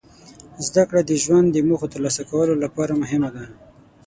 زدهکړه د ژوند د موخو ترلاسه کولو لپاره مهمه ده.